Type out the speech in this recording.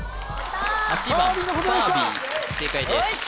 ８番ファービー正解ですよし！